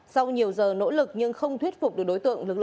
sau nhiều giờ nỗ lực nhưng không thuyết phục được đối tượng